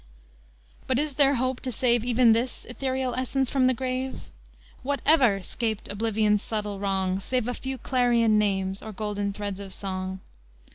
IX But is there hope to save Even this ethereal essence from the grave? What ever 'scaped Oblivion's subtle wrong Save a few clarion names, or golden threads of song?